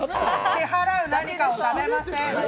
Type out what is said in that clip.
支払う何かを食べません。